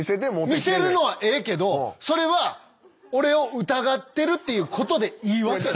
見せるのはええけどそれは俺を疑ってるっていうことでいいわけね？